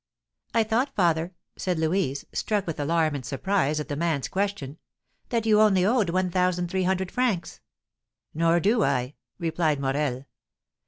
"I thought, father," said Louise, struck with alarm and surprise at the man's question, "that you only owed one thousand three hundred francs." "Nor do I," replied Morel.